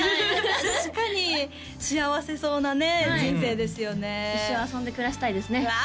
確かに幸せそうなね人生ですよね一生遊んで暮らしたいですねうわ